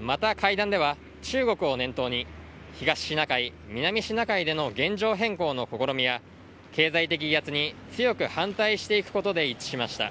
また会談では、中国を念頭に東シナ海、南シナ海での現状変更の試みや経済的威圧に強く反対していくことで一致しました。